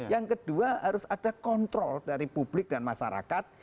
yang kedua harus ada kontrol dari publik dan masyarakat